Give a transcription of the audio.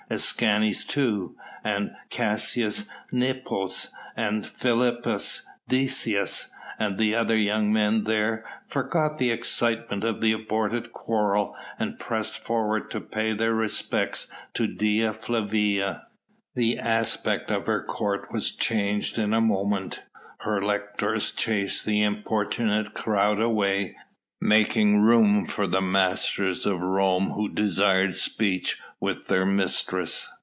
Escanes too and Caius Nepos, and Philippus Decius and the other young men there, forgot the excitement of the aborted quarrel and pressed forward to pay their respects to Dea Flavia. The aspect of her court was changed in a moment. Her lictors chased the importunate crowd away, making room for the masters of Rome who desired speech with their mistress.